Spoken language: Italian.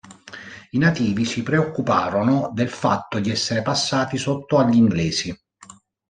I nativi si preoccuparono del fatto di essere passati sotto agli inglesi.